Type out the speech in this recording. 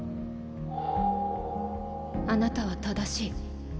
あなたは正しい。